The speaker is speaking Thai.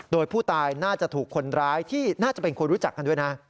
โดยผู้ตายน่าจะถูกคนร้ายที่น่าจะเป็นคนรู้จักกันด้วยนะ